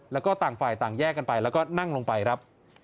แล้วก็ต่างฝ่ายต่างแยกกันไปแล้วก็นั่งลงไปครับ